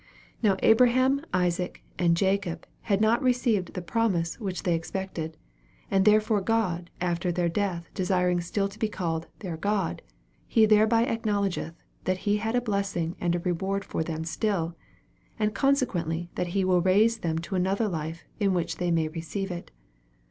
Now Abraham, Isaac, and Jacob had not received the promise which they expected, and therefore God after their death desiring still to be called ' their God,' he thereby acknowledged that he had a blessing and a reward for them still, and consequently that he will raise them to another life, in which they may receive it.